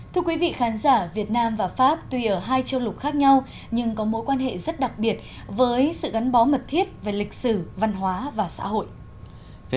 thưa quý vị khán giả việt nam và pháp tuy ở hai châu lục khác nhau nhưng có mối quan hệ rất đặc biệt với sự gắn bó mật thiết về lịch sử văn hóa và xã hội